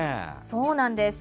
そうなんです。